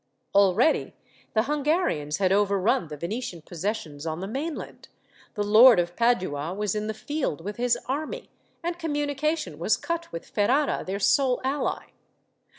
Already the Hungarians had overrun the Venetian possessions on the mainland, the Lord of Padua was in the field with his army, and communication was cut with Ferrara, their sole ally.